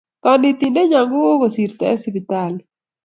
Konetindennyo koko sirto en sipitali